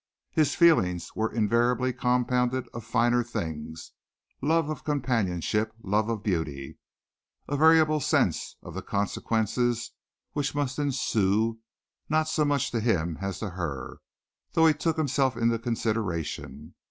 His feelings were invariably compounded of finer things, love of companionship, love of beauty, a variable sense of the consequences which must ensue, not so much to him as to her, though he took himself into consideration.